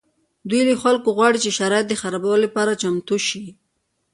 دوی له خلکو غواړي چې د شرایطو د خرابولو لپاره چمتو شي